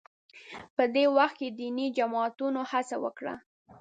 په دې وخت کې دیني جماعتونو هڅه وکړه